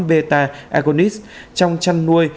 beta agonist trong chăn nuôi